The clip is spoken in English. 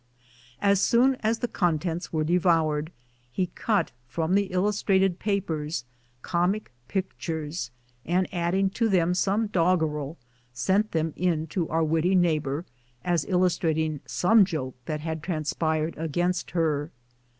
As soon as the contents were devoured, he cut from the illus trated papers comic pictures, and adding to them some doggerel, sent them in to our witty neighbor as illus trating some joke that had transpired against her.